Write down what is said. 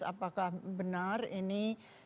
apakah benar ini